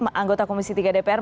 anggota komisi tiga dpr ri